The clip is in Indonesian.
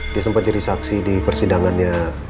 dia sempat jadi saksi di persidangannya